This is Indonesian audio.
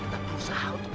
termitangan yang tutup